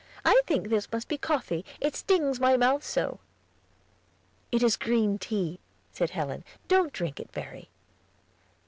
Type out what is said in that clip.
"I think this must be coffee, it stings my mouth so." "It is green tea," said Helen; "don't drink it, Verry."